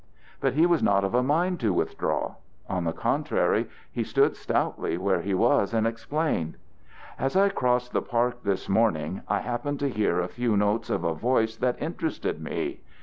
But he was not of a mind to withdraw; on the contrary, he stood stoutly where he was and explained: "As I crossed the park this morning I happened to hear a few notes of a voice that interested me.